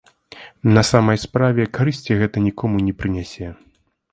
На самай справе карысці гэта нікому не прынясе.